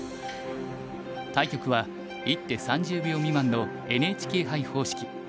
対局は１手３０秒未満のＮＨＫ杯方式。